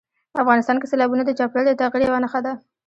افغانستان کې سیلابونه د چاپېریال د تغیر یوه نښه ده.